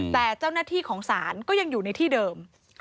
แต่เจ้าหน้าที่ของศาลก็ยังอยู่ในที่เดิม